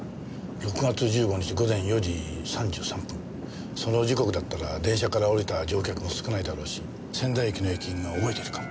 ６月１５日午前４時３３分その時刻だったら電車から降りた乗客も少ないだろうし仙台駅の駅員が覚えているかも。